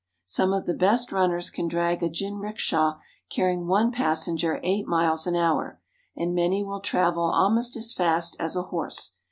Some of the best runners can drag a jinrikisha carrying one passenger eight miles an hour, and many will travel almost as fast as a horse.